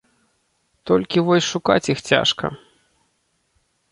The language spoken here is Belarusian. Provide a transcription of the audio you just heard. Толькі вось шукаць іх цяжка.